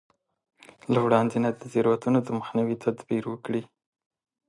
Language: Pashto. له وړاندې نه د تېروتنو د مخنيوي تدبير وکړي.